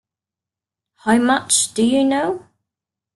How much do you know?